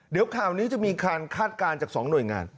เดี๋ยวข่าวนี้จะมีการคาดการณ์จาก๒หน่วยงาน